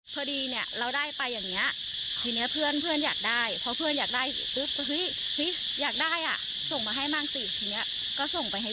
เพราะว่าเพื่อนอยากจะกลับมาอยู่บ้านนอกแล้ว